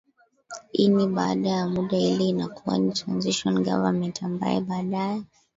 ini baada ya muda ile inakuwa ni transition government ambayo baadaye